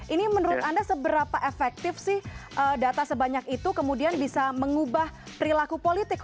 ini menurut anda seberapa efektif sih data sebanyak itu kemudian bisa mengubah perilaku politik